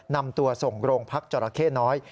นำตัวส่งโรงพักจราเข้น้อย